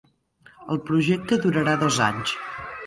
El projecte durarà dos anys.